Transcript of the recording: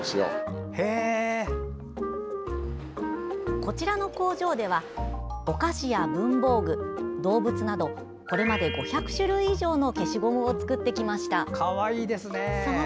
こちらの工場ではお菓子や文房具、動物などこれまで５００種類以上の消しゴムを作ってきました。